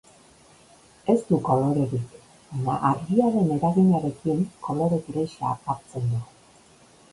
Ez du kolorerik, baina argiaren eraginarekin kolore grisa hartzen du.